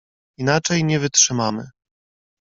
"Inaczej nie wytrzymamy“."